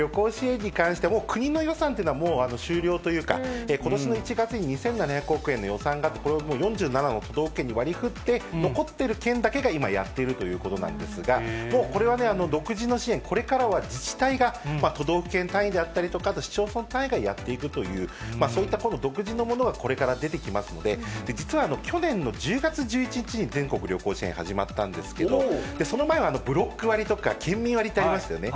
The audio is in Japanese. この全国旅行支援に関して、国の予算というのはもう終了というか、ことしの１月に、２７００億円の予算が、これが４７の都道府県に割りふって、残っている県だけが、今、やっているということなんですが、もう、これはね、独自の支援、これからは自治体が都道府県単位であったりとか、市町村単位がやっていくという、そういった独自のものがこれから出てきますので、実は去年の１０月１１日に、全国旅行支援、始まったんですけど、その前はブロック割とか、県民割ってありましたよね。